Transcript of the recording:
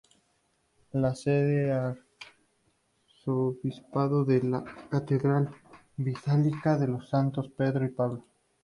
La sede del arzobispado es la Catedral Basílica de los Santos Pedro y Pablo.